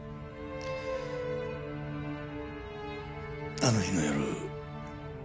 あの日の夜。